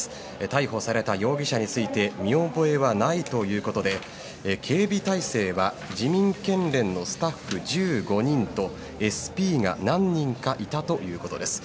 逮捕された容疑者について見覚えはないということで警備態勢は自民県連のスタッフ１５人とＳＰが何人かいたということです。